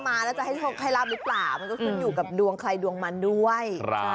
มันจะคุ้นอยู่กับดวงใครดวงมันด้วย